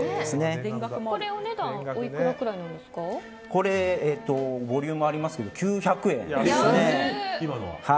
これはボリュームありますけど９００円ですね。